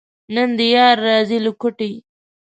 نن دې یار راځي له کوټې.